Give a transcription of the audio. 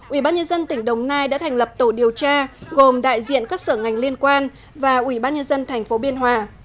ubnd tỉnh đồng nai đã thành lập tổ điều tra gồm đại diện các sở ngành liên quan và ubnd thành phố biên hòa